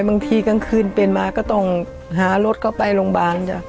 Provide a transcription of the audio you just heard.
บางทีกลางคืนเป็นมาก็ต้องหารถเข้าไปโรงพยาบาลจ้ะ